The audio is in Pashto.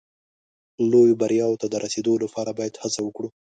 لویو بریاوو ته د رسېدو لپاره باید هڅه وکړو.